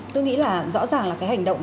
tôi nghĩ là rõ ràng là cái hành động